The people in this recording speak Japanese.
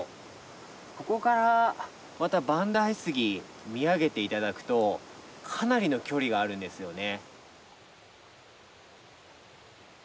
ここからまた万代杉見上げて頂くとかなりの距離があるんですよね。